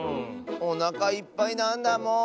おなかいっぱいなんだもん！